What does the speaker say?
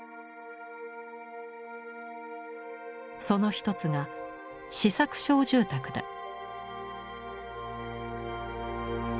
その一つが試作小住宅だ。